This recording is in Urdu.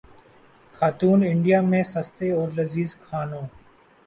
خاتون انڈیا میں سستے اور لذیذ کھانوں